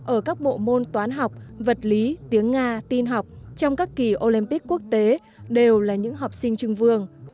ở các bộ môn toán học vật lý tiếng nga tin học trong các kỳ olympic quốc tế đều là những học sinh trưng vương